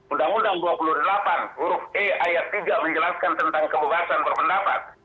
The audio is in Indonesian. undang undang dua puluh delapan huruf e ayat tiga menjelaskan tentang kebebasan berpendapat